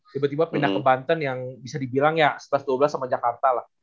tiba tiba pindah ke banten yang bisa dibilang ya setelah dua belas sama jakarta lah